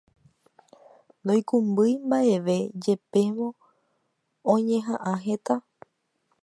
Noikũmbýi mbaʼeve jepémo oñehaʼã heta.